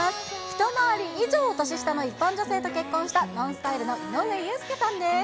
一回り以上年下の一般女性と結婚した、ＮＯＮＳＴＹＬＥの井上裕介さんです。